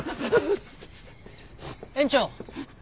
園長。